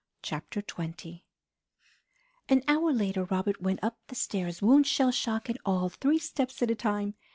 CHAPTER XX An hour later Robert went up the stairs, wounds, shell shock and all, three steps at a time!